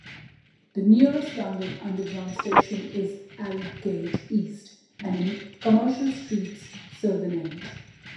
The nearest London Underground station is Aldgate East, at Commercial Street's southern end.